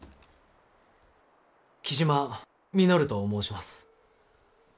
雉真稔と申します。